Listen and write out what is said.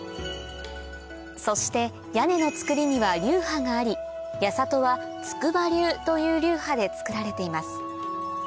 そして屋根の造りには流派があり八郷は筑波流という流派で造られています